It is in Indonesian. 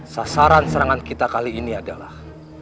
sasaran serangan kita kali ini adalah